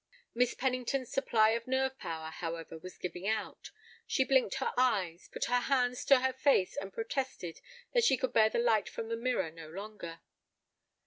Miss Pennington's supply of nerve power, however, was giving out. She blinked her eyes, put her hands to her face, and protested that she could bear the light from the mirror no longer.